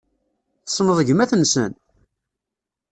Tessneḍ gmat-nsen?